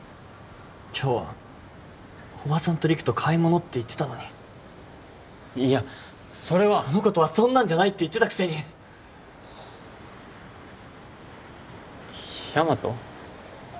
今日はおばさんと陸と買い物って言ってたのにいやそれはあの子とはそんなんじゃないって言ってたくせにヤマト？